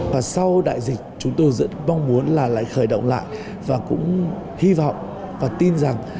và sau đại dịch chúng tôi rất mong muốn là lại khởi động lại và cũng hy vọng và tin rằng